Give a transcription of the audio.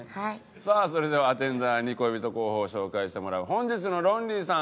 さあそれではアテンダーに恋人候補を紹介してもらう本日のロンリーさん